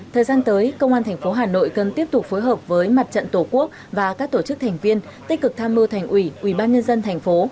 thời gian tới công an thành phố hà nội cần tiếp tục phối hợp với mặt trận tổ quốc và các tổ chức thành viên tích cực tham mưu thành ủy ubnd thành phố